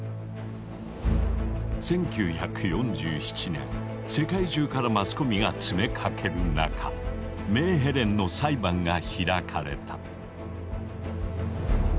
１９４７年世界中からマスコミが詰めかける中メーヘレンの裁判が開かれた。